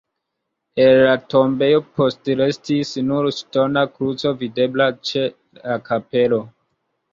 El la tombejo postrestis nur ŝtona kruco videbla ĉe la kapelo.